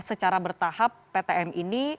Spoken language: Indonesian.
secara bertahap ptm ini